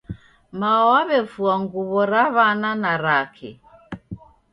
Mao wawefua nguwo Ra Wana na rake.